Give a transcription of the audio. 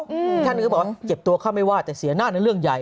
ท่านก็บอกว่าเจ็บตัวเข้าไม่ว่าแต่เสียหน้าในเรื่องใหญ่